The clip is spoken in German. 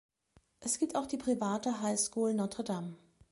Es gibt auch die private Highschool Notre-Dame.